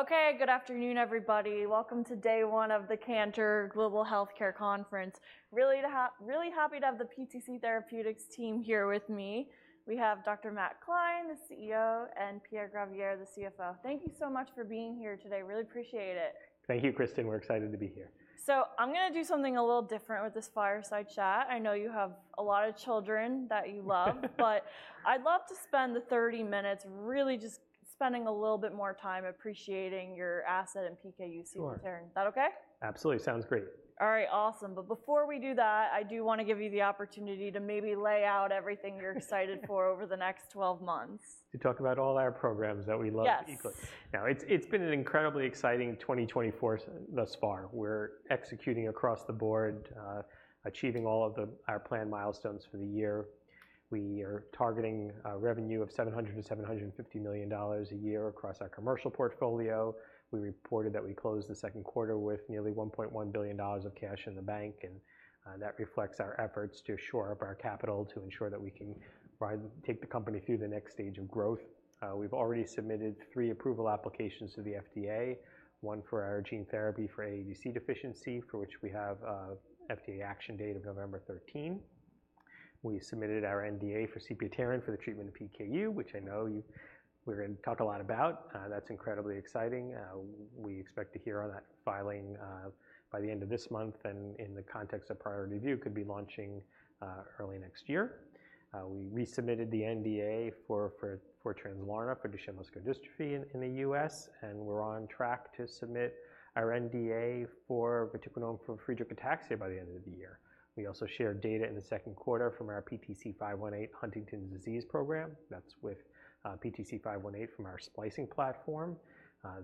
Okay, good afternoon, everybody. Welcome to day one of the Cantor Global Healthcare Conference. Really happy to have the PTC Therapeutics team here with me. We have Dr. Matt Klein, the CEO, and Pierre Gravier, the CFO. Thank you so much for being here today. Really appreciate it. Thank you, Kristen. We're excited to be here. So I'm gonna do something a little different with this fireside chat. I know you have a lot of children that you love, but I'd love to spend the thirty minutes really just spending a little bit more time appreciating your asset and PKU. Sure. Is that okay? Absolutely. Sounds great. All right, awesome. But before we do that, I do wanna give you the opportunity to maybe lay out everything you're excited for over the next twelve months. To talk about all our programs that we love equally. Yes. Now, it's been an incredibly exciting 2024 thus far. We're executing across the board, achieving all of our planned milestones for the year. We are targeting a revenue of $700-$750 million a year across our commercial portfolio. We reported that we closed the second quarter with nearly $1.1 billion of cash in the bank, and that reflects our efforts to shore up our capital to ensure that we can take the company through the next stage of growth. We've already submitted three approval applications to the FDA, one for our gene therapy for AADC deficiency, for which we have an FDA action date of November 13. We submitted our NDA for sepiapterin, for the treatment of PKU, which I know you, we're gonna talk a lot about. That's incredibly exciting. We expect to hear on that filing by the end of this month, and in the context of priority review, could be launching early next year. We resubmitted the NDA for Translarna for Duchenne muscular dystrophy in the U.S., and we're on track to submit our NDA for vatiquinone for Friedreich ataxia by the end of the year. We also shared data in the second quarter from our PTC518 Huntington's disease program. That's with PTC518 from our splicing platform.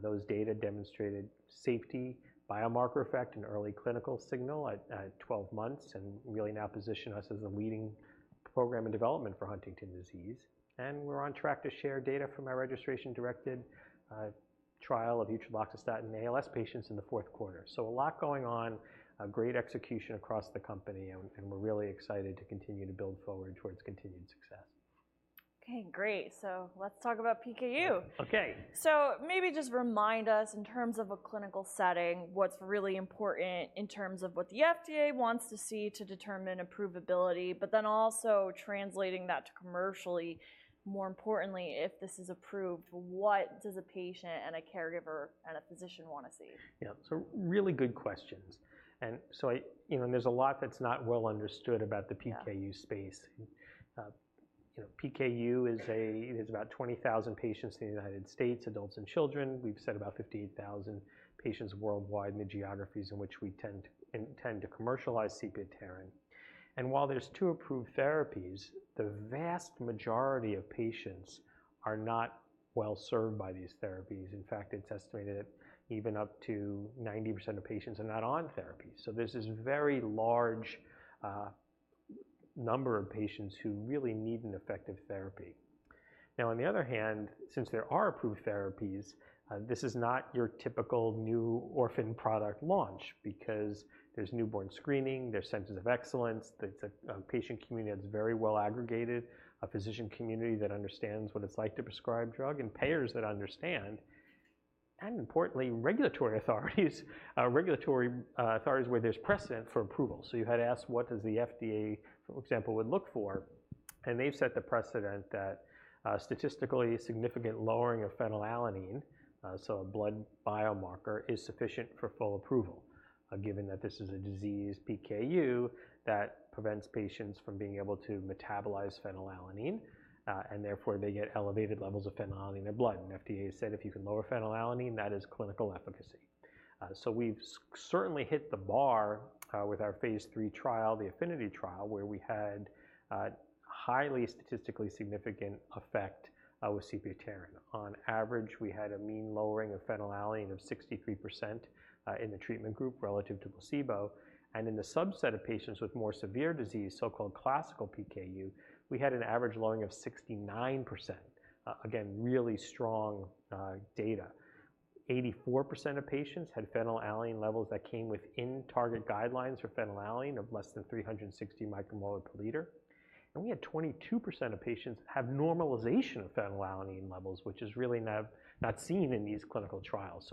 Those data demonstrated safety, biomarker effect, and early clinical signal at 12 months, and really now position us as a leading program in development for Huntington's disease, and we're on track to share data from our registration-directed trial of utroxastat in ALS patients in the fourth quarter. So a lot going on, a great execution across the company, and we're really excited to continue to build forward towards continued success. Okay, great. So let's talk about PKU. Okay. Maybe just remind us, in terms of a clinical setting, what's really important in terms of what the FDA wants to see to determine approvability, but then also translating that to commercially. More importantly, if this is approved, what does a patient and a caregiver and a physician wanna see? Yeah, so really good questions, and so, you know, and there's a lot that's not well understood about the PKU space. Yeah. You know, PKU is about 20,000 patients in the United States, adults and children. We've said about 58,000 patients worldwide in the geographies in which we intend to commercialize sepiapterin. And while there's two approved therapies, the vast majority of patients are not well served by these therapies. In fact, it's estimated that even up to 90% of patients are not on therapy. So there's this very large number of patients who really need an effective therapy. Now, on the other hand, since there are approved therapies, this is not your typical new orphan product launch because there's newborn screening, there's centers of excellence, there's a patient community that's very well aggregated, a physician community that understands what it's like to prescribe drug, and payers that understand, and importantly, regulatory authorities, where there's precedent for approval. So you had asked, what does the FDA, for example, would look for? And they've set the precedent that, statistically significant lowering of phenylalanine, so a blood biomarker, is sufficient for full approval. Given that this is a disease, PKU, that prevents patients from being able to metabolize phenylalanine, and therefore, they get elevated levels of phenylalanine in their blood. And FDA said, "If you can lower phenylalanine, that is clinical efficacy." So we've certainly hit the bar with our phase 3 trial, the AFFINITY trial, where we had a highly statistically significant effect with sepiapterin. On average, we had a mean lowering of phenylalanine of 63%, in the treatment group relative to placebo, and in the subset of patients with more severe disease, so-called classical PKU, we had an average lowering of 69%. Again, really strong data. 84% of patients had phenylalanine levels that came within target guidelines for phenylalanine of less than 360 micromole per liter, and we had 22% of patients have normalization of phenylalanine levels, which is really not seen in these clinical trials.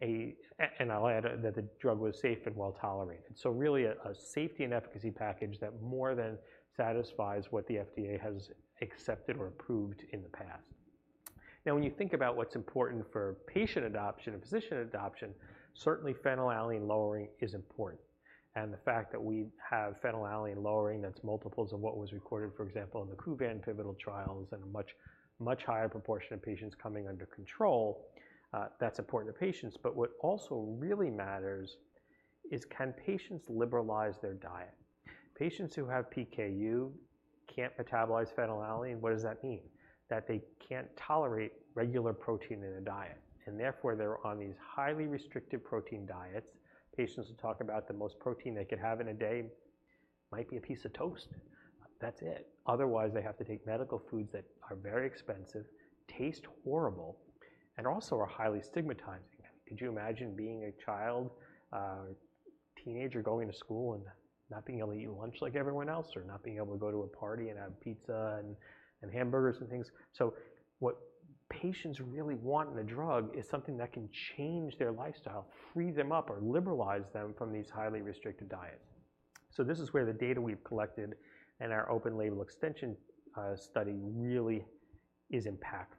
And I'll add that the drug was safe and well-tolerated. So really, a safety and efficacy package that more than satisfies what the FDA has accepted or approved in the past. Now, when you think about what's important for patient adoption and physician adoption, certainly, phenylalanine lowering is important, and the fact that we have phenylalanine lowering that's multiples of what was recorded, for example, in the Kuvan pivotal trials and a much, much higher proportion of patients coming under control, that's important to patients. But what also really matters is, can patients liberalize their diet? Patients who have PKU can't metabolize phenylalanine. What does that mean? That they can't tolerate regular protein in a diet, and therefore, they're on these highly restrictive protein diets. Patients will talk about the most protein they could have in a day, might be a piece of toast. That's it. Otherwise, they have to take medical foods that are very expensive, taste horrible, and also are highly stigmatizing. Could you imagine being a child, teenager going to school and not being able to eat lunch like everyone else, or not being able to go to a party and have pizza and hamburgers and things? So what patients really want in a drug is something that can change their lifestyle, free them up, or liberalize them from these highly restricted diets. So this is where the data we've collected and our open-label extension study really is impactful.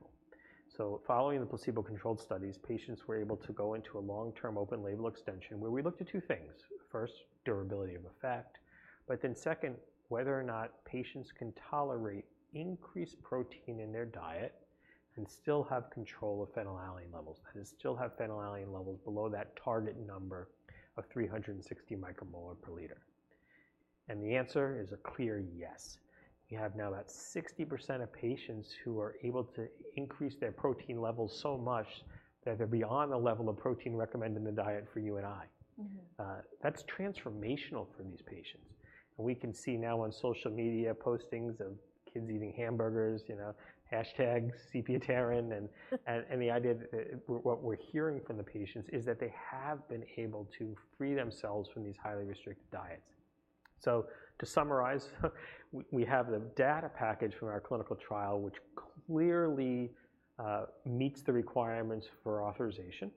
Following the placebo-controlled studies, patients were able to go into a long-term, open-label extension, where we looked at two things: first, durability of effect, but then second, whether or not patients can tolerate increased protein in their diet and still have control of phenylalanine levels and still have phenylalanine levels below that target number of 360 micromole per liter. The answer is a clear yes. We have now about 60% of patients who are able to increase their protein levels so much that they're beyond the level of protein recommended in the diet for you and I. Mm-hmm. That's transformational for these patients, and we can see now on social media postings of kids eating hamburgers, you know, hashtag sepiapterin and the idea that what we're hearing from the patients is that they have been able to free themselves from these highly restricted diets. So to summarize, we have the data package from our clinical trial, which clearly meets the requirements for authorization,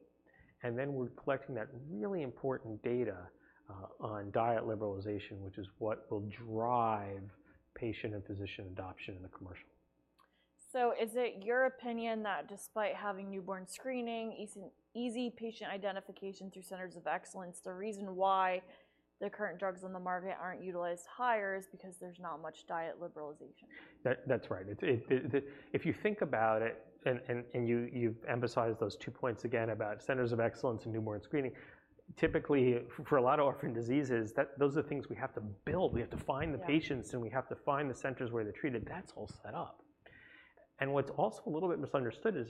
and then we're collecting that really important data on diet liberalization, which is what will drive patient and physician adoption in the commercial. So is it your opinion that despite having newborn screening, easy patient identification through centers of excellence, the reason why the current drugs on the market aren't utilized higher is because there's not much diet liberalization? That's right. It, if you think about it, and you emphasize those two points again about centers of excellence and newborn screening. Typically, for a lot of orphan diseases, those are things we have to build. We have to find the- Yeah... patients, and we have to find the centers where they're treated. That's all set up, and what's also a little bit misunderstood is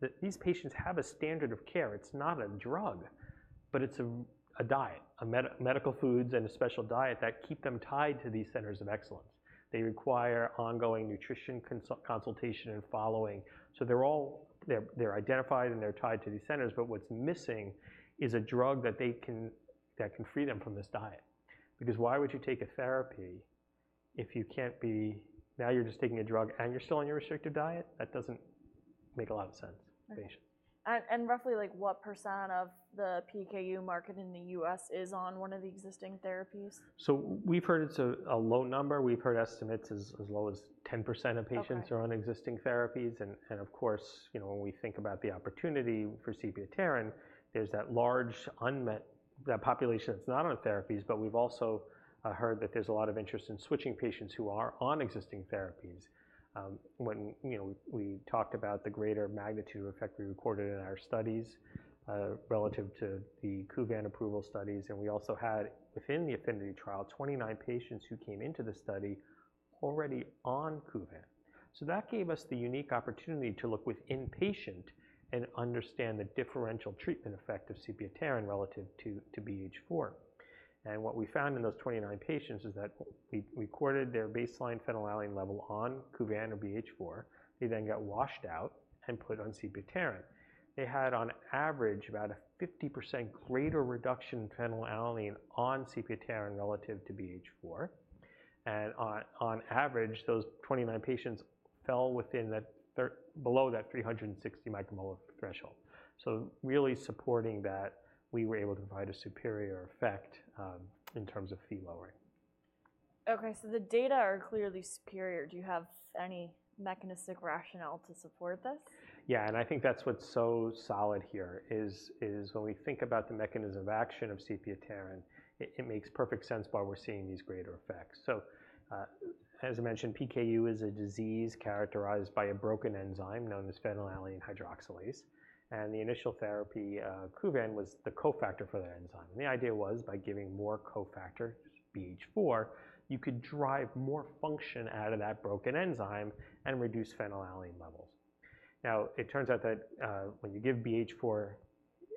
that these patients have a standard of care. It's not a drug, but it's a diet, medical foods and a special diet that keep them tied to these centers of excellence. They require ongoing nutrition consultation and following, so they're all identified, and they're tied to these centers, but what's missing is a drug that can free them from this diet. Because why would you take a therapy if you can't be, now you're just taking a drug, and you're still on your restrictive diet? That doesn't make a lot of sense. Right ... for the patient. Roughly, like, what % of the PKU market in the U.S. is on one of the existing therapies? So we've heard it's a low number. We've heard estimates as low as 10% of patients- Okay... are on existing therapies. And of course, you know, when we think about the opportunity for sepiapterin, there's that large, unmet, that population that's not on the therapies, but we've also heard that there's a lot of interest in switching patients who are on existing therapies. When you know, we talked about the greater magnitude effect we recorded in our studies, relative to the Kuvan approval studies, and we also had, within the AFFINITY trial, twenty-nine patients who came into the study already on Kuvan. So that gave us the unique opportunity to look within patient and understand the differential treatment effect of sepiapterin relative to BH4. And what we found in those twenty-nine patients is that we recorded their baseline phenylalanine level on Kuvan or BH4. They then got washed out and put on sepiapterin. They had, on average, about a 50% greater reduction in phenylalanine on sepiapterin relative to BH4, and on average, those 29 patients fell within that below that 360 micromolar threshold. So really supporting that, we were able to provide a superior effect, in terms of Phe lowering. Okay, so the data are clearly superior. Do you have any mechanistic rationale to support this? Yeah, and I think that's what's so solid here is when we think about the mechanism of action of sepiapterin, it makes perfect sense why we're seeing these greater effects. So, as I mentioned, PKU is a disease characterized by a broken enzyme known as phenylalanine hydroxylase, and the initial therapy, Kuvan, was the cofactor for that enzyme. And the idea was, by giving more cofactor, BH4, you could drive more function out of that broken enzyme and reduce phenylalanine levels. Now, it turns out that when you give BH4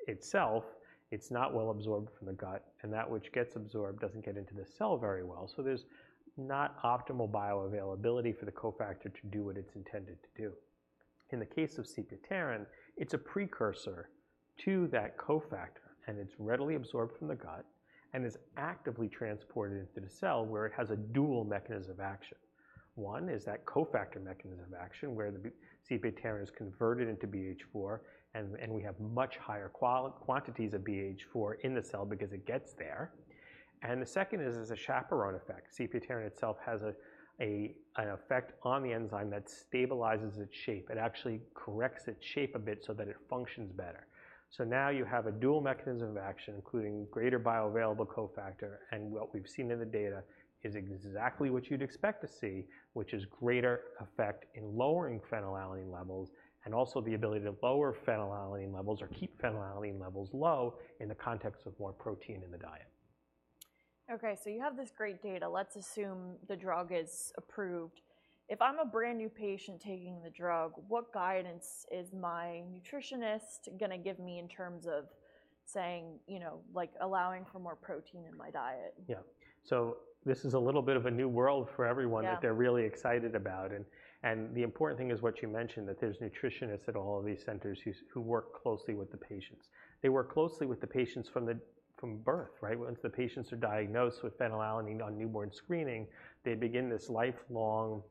itself, it's not well absorbed from the gut, and that which gets absorbed doesn't get into the cell very well. So there's not optimal bioavailability for the cofactor to do what it's intended to do. In the case of sepiapterin, it's a precursor to that cofactor, and it's readily absorbed from the gut and is actively transported into the cell, where it has a dual mechanism of action. One is that cofactor mechanism of action, where the sepiapterin is converted into BH4, and we have much higher quantities of BH4 in the cell because it gets there. And the second is a chaperone effect. Sepiapterin itself has an effect on the enzyme that stabilizes its shape. It actually corrects its shape a bit so that it functions better. So now you have a dual mechanism of action, including greater bioavailable cofactor, and what we've seen in the data is exactly what you'd expect to see, which is greater effect in lowering phenylalanine levels and also the ability to lower phenylalanine levels or keep phenylalanine levels low in the context of more protein in the diet. Okay, so you have this great data. Let's assume the drug is approved. If I'm a brand-new patient taking the drug, what guidance is my nutritionist gonna give me in terms of saying, you know, like allowing for more protein in my diet? Yeah. So this is a little bit of a new world for everyone- Yeah that they're really excited about, and the important thing is what you mentioned, that there's nutritionists at all of these centers who work closely with the patients. They work closely with the patients from birth, right? Once the patients are diagnosed with phenylalanine on newborn screening, they begin this lifelong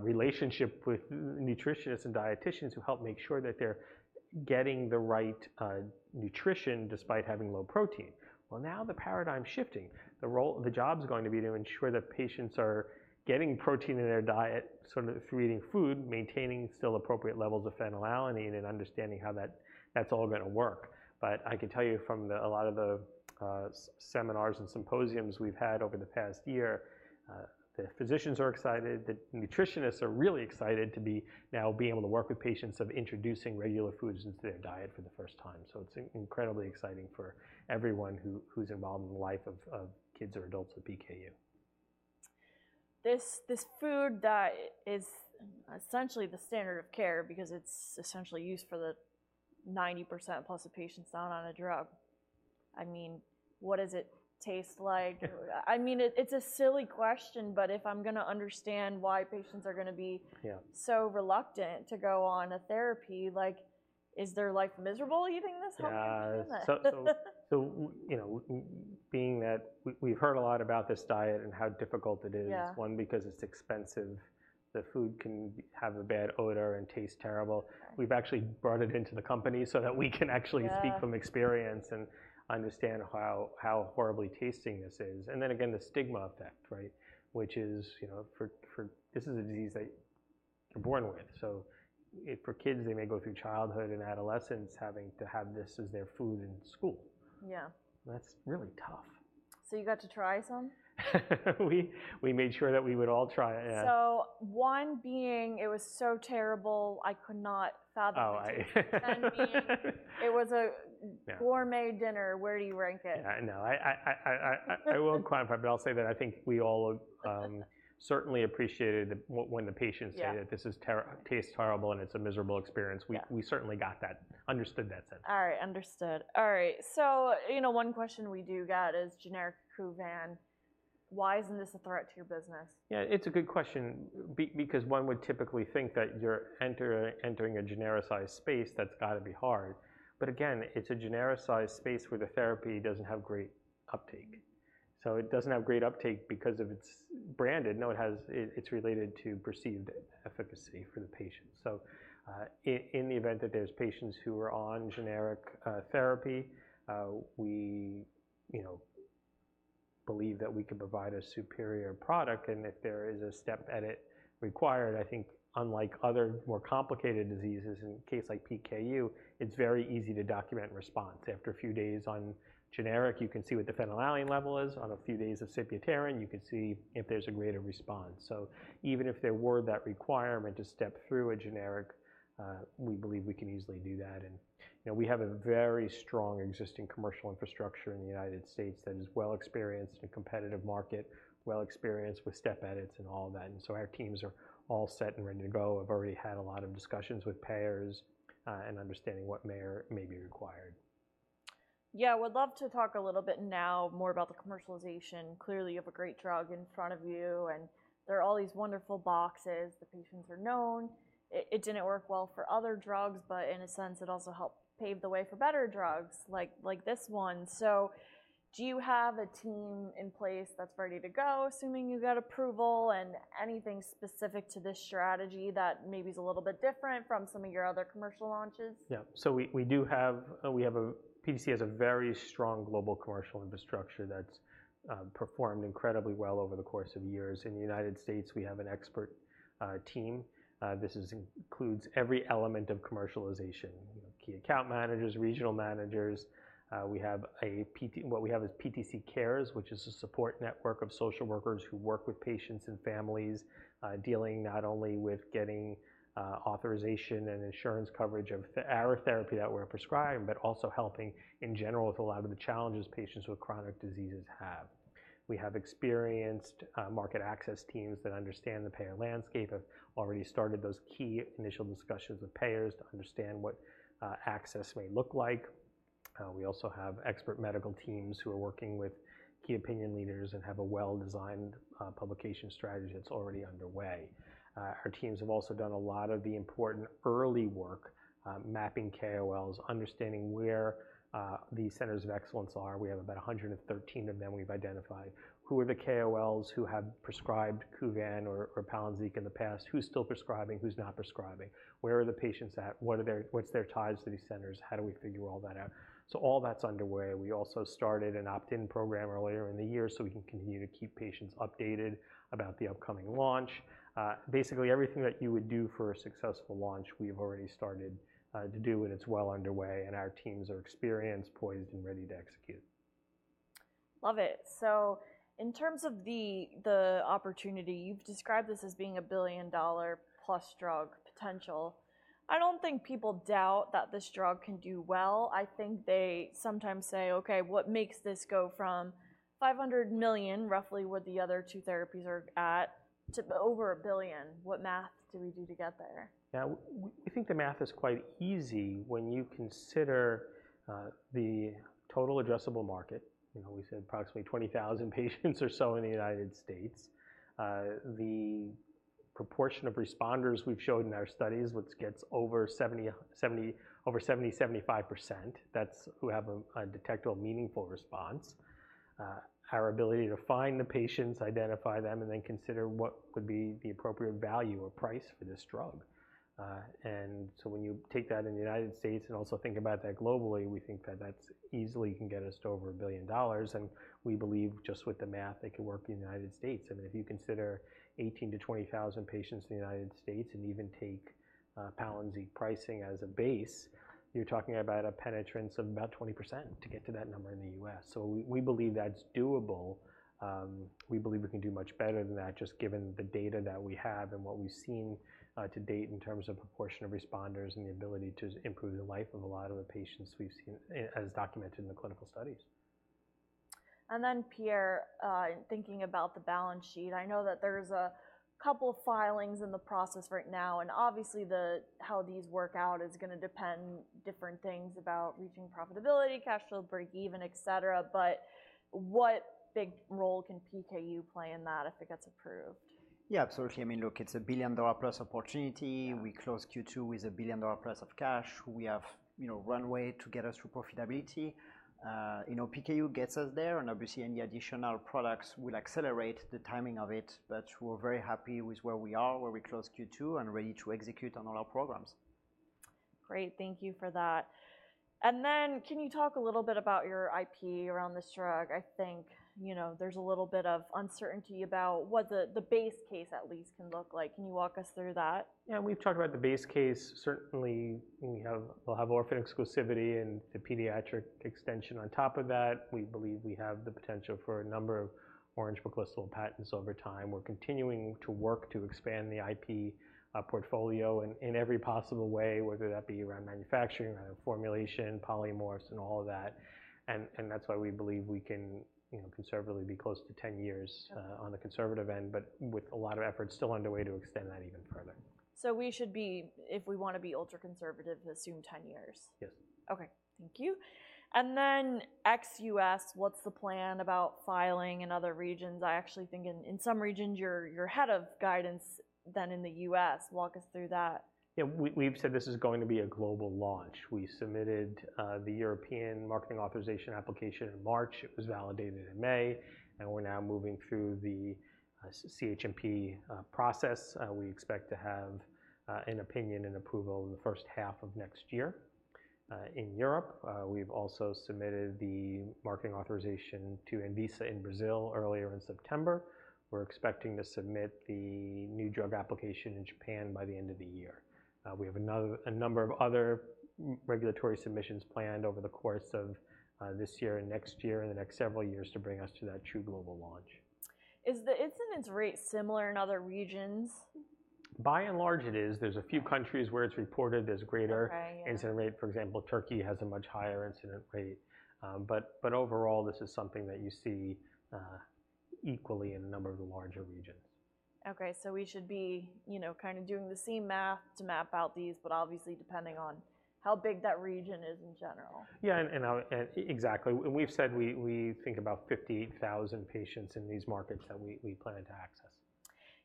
relationship with nutritionists and dieticians who help make sure that they're getting the right nutrition despite having low protein. Well, now the paradigm's shifting. The role the job's going to be to ensure that patients are getting protein in their diet, sort of through eating food, maintaining still appropriate levels of phenylalanine and understanding how that's all gonna work. But I can tell you from a lot of the seminars and symposiums we've had over the past year, the physicians are excited. The nutritionists are really excited now being able to work with patients on introducing regular foods into their diet for the first time. So it's incredibly exciting for everyone who's involved in the life of kids or adults with PKU. This food diet is essentially the standard of care because it's essentially used for the 90% plus of patients not on a drug. I mean, what does it taste like? Or, I mean, it's a silly question, but if I'm gonna understand why patients are gonna be- Yeah... so reluctant to go on a therapy, like, is their life miserable eating this? Yeah. How do you do that? You know, being that we've heard a lot about this diet and how difficult it is. Yeah... one, because it's expensive. The food can have a bad odor and taste terrible. Right. We've actually brought it into the company so that we can actually- Yeah... speak from experience and understand how horribly tasting this is. And then again, the stigma effect, right? Which is, you know, for this is a disease that you're born with, so for kids, they may go through childhood and adolescence having to have this as their food in school. Yeah. That's really tough. You got to try some? We made sure that we would all try it, yeah. So one being, it was so terrible, I could not fathom- Oh, I... Me, it was a- Yeah... gourmet dinner. Where do you rank it? No, I won't quantify, but I'll say that I think we all certainly appreciated when the patients- Yeah... say that this is terrible, tastes terrible, and it's a miserable experience. Yeah. We certainly got that, understood that sense. All right, understood. All right, so, you know, one question we do get is generic Kuvan. Why isn't this a threat to your business? Yeah, it's a good question because one would typically think that you're entering a genericized space, that's gotta be hard. But again, it's a genericized space where the therapy doesn't have great uptake. So it doesn't have great uptake because of its branded. No, it's related to perceived efficacy for the patient. So, in the event that there's patients who are on generic therapy, we, you know, believe that we can provide a superior product, and if there is a step edit required, I think unlike other more complicated diseases, in case like PKU, it's very easy to document response. After a few days on generic, you can see what the phenylalanine level is. On a few days of sepiapterin, you can see if there's a greater response. So even if there were that requirement to step through a generic, we believe we can easily do that, and, you know, we have a very strong existing commercial infrastructure in the United States that is well experienced in a competitive market, well experienced with step edits and all of that. And so our teams are all set and ready to go, have already had a lot of discussions with payers, and understanding what may or may be required. Yeah, would love to talk a little bit now more about the commercialization. Clearly, you have a great drug in front of you, and there are all these wonderful boxes. The patients are known. It didn't work well for other drugs, but in a sense, it also helped pave the way for better drugs like, like this one. So do you have a team in place that's ready to go, assuming you get approval, and anything specific to this strategy that maybe is a little bit different from some of your other commercial launches? Yeah. So we do have PTC has a very strong global commercial infrastructure that's performed incredibly well over the course of years. In the United States, we have an expert team. This includes every element of commercialization: key account managers, regional managers. We have PTC Cares, which is a support network of social workers who work with patients and families dealing not only with getting authorization and insurance coverage of our therapy that we're prescribing, but also helping, in general, with a lot of the challenges patients with chronic diseases have. We have experienced market access teams that understand the payer landscape, have already started those key initial discussions with payers to understand what access may look like. We also have expert medical teams who are working with key opinion leaders and have a well-designed publication strategy that's already underway. Our teams have also done a lot of the important early work, mapping KOLs, understanding where the centers of excellence are. We have about 113 of them we've identified. Who are the KOLs who have prescribed Kuvan or Palynziq in the past? Who's still prescribing? Who's not prescribing? Where are the patients at? What's their ties to these centers? How do we figure all that out? All that's underway. We also started an opt-in program earlier in the year, so we can continue to keep patients updated about the upcoming launch. Basically, everything that you would do for a successful launch, we've already started to do, and it's well underway, and our teams are experienced, poised, and ready to execute. Love it. So in terms of the opportunity. You've described this as being a $1 billion-plus drug potential. I don't think people doubt that this drug can do well. I think they sometimes say, "Okay, what makes this go from $500 million," roughly what the other two therapies are at, "to over $1 billion?" What math do we do to get there? Yeah. I think the math is quite easy when you consider the total addressable market. You know, we said approximately 20,000 patients or so in the United States. The proportion of responders we've shown in our studies, which gets over 70-75%, that's who have a detectable, meaningful response. Our ability to find the patients, identify them, and then consider what could be the appropriate value or price for this drug. And so when you take that in the United States and also think about that globally, we think that that's easily can get us to over $1 billion, and we believe just with the math, it can work in the United States. And if you consider 18-20 thousand patients in the United States and even take Palynziq pricing as a base, you're talking about a penetrance of about 20% to get to that number in the US. So we believe that's doable. We believe we can do much better than that, just given the data that we have and what we've seen to date in terms of proportion of responders and the ability to improve the life of a lot of the patients we've seen as documented in the clinical studies. And then, Pierre, thinking about the balance sheet, I know that there's a couple filings in the process right now, and obviously how these work out is gonna depend different things about reaching profitability, cash flow, breakeven, et cetera. But what big role can PKU play in that if it gets approved? Yeah, absolutely. I mean, look, it's a $1 billion-plus opportunity. Yeah. We closed Q2 with $1 billion plus of cash. We have, you know, runway to get us through profitability. You know, PKU gets us there, and obviously, any additional products will accelerate the timing of it, but we're very happy with where we are, where we closed Q2 and ready to execute on all our programs. Great, thank you for that. And then can you talk a little bit about your IP around this drug? I think, you know, there's a little bit of uncertainty about what the base case at least can look like. Can you walk us through that? Yeah, we've talked about the base case. Certainly, we have- we'll have orphan exclusivity and the pediatric extension on top of that. We believe we have the potential for a number of Orange Book-listed patents over time. We're continuing to work to expand the IP portfolio in every possible way, whether that be around manufacturing, around formulation, polymorphs, and all of that. And that's why we believe we can, you know, conservatively be close to ten years- Yeah... on the conservative end, but with a lot of effort still underway to extend that even further. So we should be, if we wanna be ultra-conservative, assume ten years? Yes. Okay, thank you. And then ex-U.S., what's the plan about filing in other regions? I actually think in some regions, you're ahead of guidance than in the U.S. Walk us through that. Yeah, we've said this is going to be a global launch. We submitted the European Marketing Authorisation Application in March. It was validated in May, and we're now moving through the CHMP process. We expect to have an opinion and approval in the first half of next year. In Europe, we've also submitted the marketing authorization to ANVISA in Brazil earlier in September. We're expecting to submit the new drug application in Japan by the end of the year. We have a number of other regulatory submissions planned over the course of this year and next year and the next several years to bring us to that true global launch. Is the incidence rate similar in other regions? By and large, it is. There's a few countries where it's reported as greater- Okay, yeah... incidence rate. For example, Turkey has a much higher incidence rate. But overall, this is something that you see equally in a number of the larger regions. Okay, so we should be, you know, kind of doing the same math to map out these, but obviously depending on how big that region is in general. Yeah, and exactly. We've said we think about 58 thousand patients in these markets that we plan to access.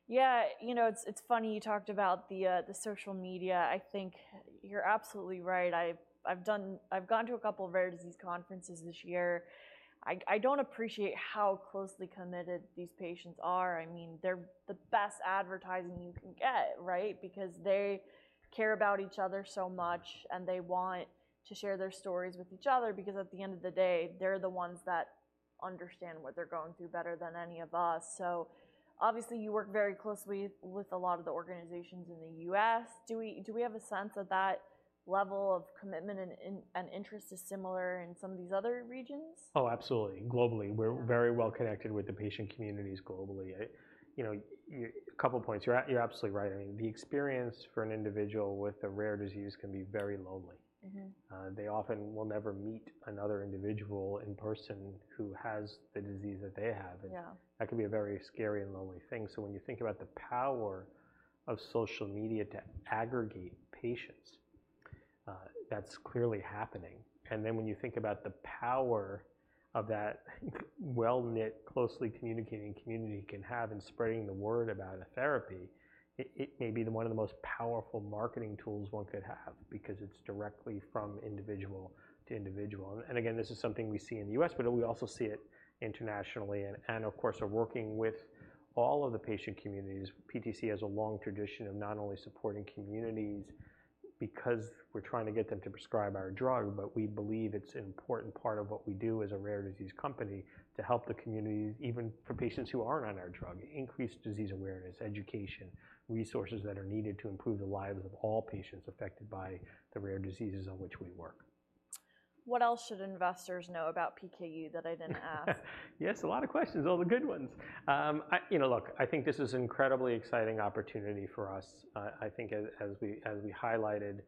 Yeah. You know, it's, it's funny you talked about the, the social media. I think you're absolutely right. I've gone to a couple of rare disease conferences this year. I don't appreciate how closely committed these patients are. I mean, they're the best advertising you can get, right? Because they care about each other so much, and they want to share their stories with each other because at the end of the day, they're the ones that understand what they're going through better than any of us. So obviously, you work very closely with a lot of the organizations in the US. Do we have a sense of that level of commitment and interest is similar in some of these other regions? Oh, absolutely. Globally- Yeah.... we're very well connected with the patient communities globally. You know, a couple points. You're absolutely right. I mean, the experience for an individual with a rare disease can be very lonely. Mm-hmm. They often will never meet another individual in person who has the disease that they have, and- Yeah... that can be a very scary and lonely thing. So when you think about the power of social media to aggregate patients, that's clearly happening. And then when you think about the power of that well-knit, closely communicating community can have in spreading the word about a therapy, it may be one of the most powerful marketing tools one could have because it's directly from individual to individual. And again, this is something we see in the US, but we also see it internationally and, of course, are working with all of the patient communities. PTC has a long tradition of not only supporting communities because we're trying to get them to prescribe our drug, but we believe it's an important part of what we do as a rare disease company to help the community, even for patients who aren't on our drug, increase disease awareness, education, resources that are needed to improve the lives of all patients affected by the rare diseases on which we work. ... What else should investors know about PKU that I didn't ask? Yes, a lot of questions, all the good ones. You know, look, I think this is incredibly exciting opportunity for us. I think as we highlighted,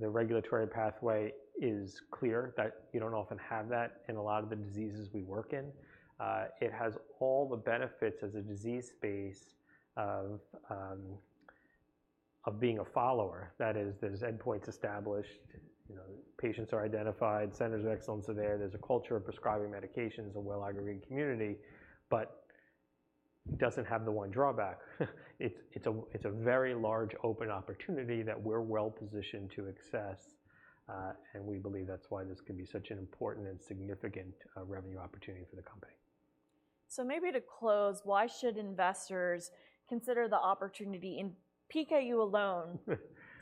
the regulatory pathway is clear, that you don't often have that in a lot of the diseases we work in. It has all the benefits as a disease space of being a follower. That is, there's endpoints established, you know, patients are identified, centers of excellence are there, there's a culture of prescribing medications, a well-organized community, but doesn't have the one drawback. It's a very large, open opportunity that we're well positioned to access, and we believe that's why this can be such an important and significant revenue opportunity for the company. So maybe to close, why should investors consider the opportunity in PKU alone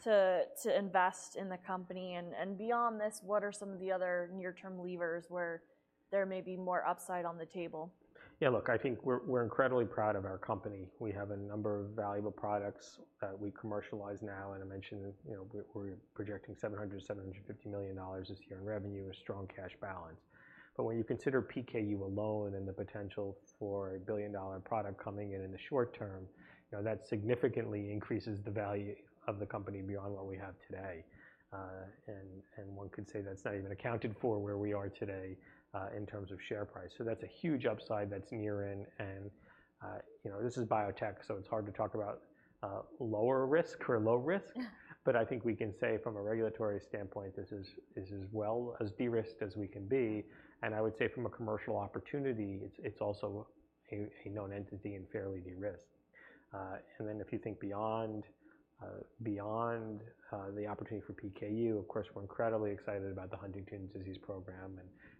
to invest in the company? And beyond this, what are some of the other near-term levers where there may be more upside on the table? Yeah, look, I think we're incredibly proud of our company. We have a number of valuable products we commercialize now, and I mentioned, you know, we're projecting $700-$750 million this year in revenue, a strong cash balance. But when you consider PKU alone and the potential for a billion-dollar product coming in in the short term, you know, that significantly increases the value of the company beyond what we have today, and one could say that's not even accounted for where we are today in terms of share price. So that's a huge upside that's near in and, you know, this is biotech, so it's hard to talk about lower risk or low risk. Yeah. But I think we can say from a regulatory standpoint, this is as well de-risked as we can be, and I would say from a commercial opportunity, it's also a known entity and fairly de-risked. And then if you think beyond the opportunity for PKU, of course, we're incredibly excited about the Huntington's disease program,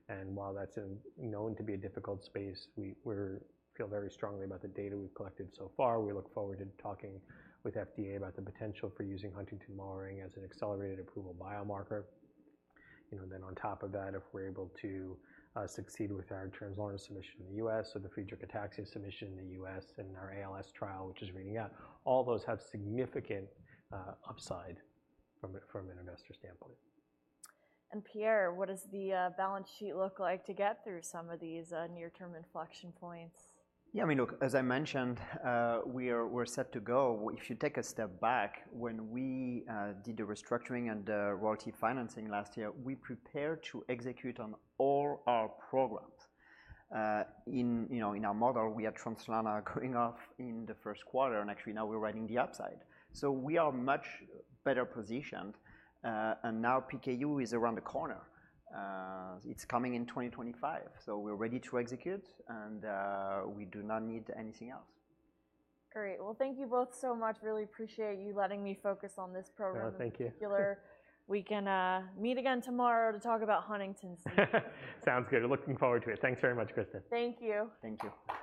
and while that's known to be a difficult space, we feel very strongly about the data we've collected so far. We look forward to talking with FDA about the potential for using huntingtin lowering as an accelerated approval biomarker. You know, then on top of that, if we're able to succeed with our Translarna submission in the U.S., or the Friedreich's ataxia submission in the U.S., and our ALS trial, which is reading out, all those have significant upside from an investor standpoint. Pierre, what does the balance sheet look like to get through some of these near-term inflection points? Yeah, I mean, look, as I mentioned, we're set to go. If you take a step back, when we did the restructuring and the royalty financing last year, we prepared to execute on all our programs. In, you know, in our model, we had Translarna going off in the first quarter, and actually, now we're riding the upside. So we are much better positioned, and now PKU is around the corner. It's coming in twenty twenty-five, so we're ready to execute, and we do not need anything else. Great. Well, thank you both so much. Really appreciate you letting me focus on this program- Oh, thank you.... in particular. We can meet again tomorrow to talk about Huntington's. Sounds good. Looking forward to it. Thanks very much, Kristen. Thank you. Thank you.